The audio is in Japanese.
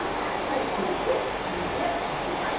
そして冷めておきます。